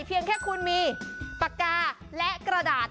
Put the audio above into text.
เพียงแค่คุณมีปากกาและกระดาษ